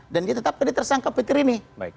dan tetap tersangka petir ini